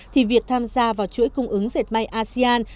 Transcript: thì việc tham gia vào chuỗi cung ứng diệt mạng asean